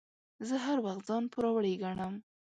زه هر وخت ځان پوروړی ګڼم.